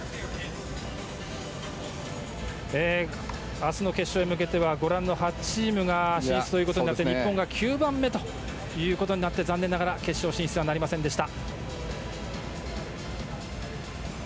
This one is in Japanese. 明日の決勝へ向けてはご覧の８チームが進出ということになって日本が９番目で残念ながら決勝進出とはなりませんでした。